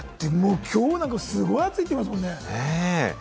今日なんかすごい暑いって言いますもんね。